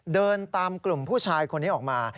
เดินตามกลุ่มผู้ชายคนนี้ออกมา